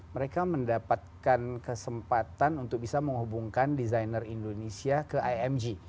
mereka mendapatkan kesempatan untuk bisa menghubungkan desainer indonesia ke img